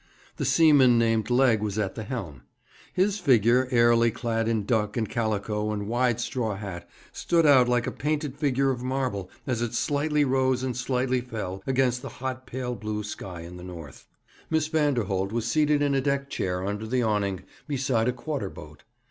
The seaman named Legg was at the helm. His figure, airily clad in duck and calico and wide straw hat, stood out like a painted figure of marble, as it slightly rose and slightly fell against the hot pale blue sky in the north. Miss Vanderholt was seated in a deck chair under the awning, beside a quarter boat.